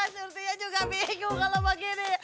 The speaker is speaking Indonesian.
surutinnya juga bingung kalo begini